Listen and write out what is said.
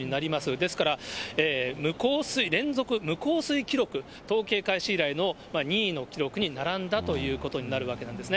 ですから、無降水、連続無降水記録、統計開始以来の２位の記録に並んだということになるわけですね。